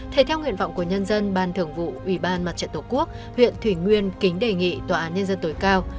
thể theo nguyện vọng của nhân dân ban thường vụ ủy ban mặt trận tổ quốc huyện thủy nguyên kính đề nghị tòa án nhân dân tối cao